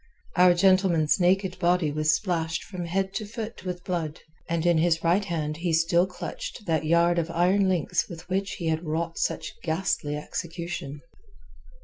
Our gentleman's naked body was splashed from head to foot with blood, and in his right hand he still clutched that yard of iron links with which he had wrought such ghastly execution.